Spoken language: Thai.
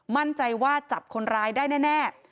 มั่นใจว่าจับคนร้ายได้แน่